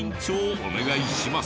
お願いします。